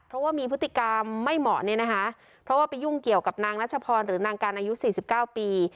เพราะว่ามีพฤติกรรมไม่เหมาะเนี่ยนะคะเพราะว่าไปยุ่งเกี่ยวกับนางรัชพรหรือนางการอายุ๔๙ปี